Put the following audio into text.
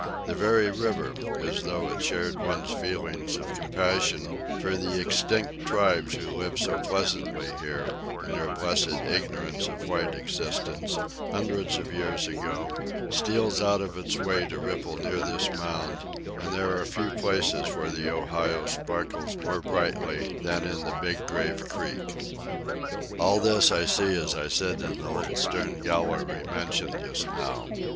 The very river, as though it shared one's feelings of compassion for the extinct tribes who lived so pleasantly here, in their blessed ignorance of white existence, hundreds of years ago, steals out of its way to ripple near this mound: and there are few places where the Ohio sparkles more brightly than in the Big Grave Creek. All this I see as I sit in the little stern gallery mentioned just now.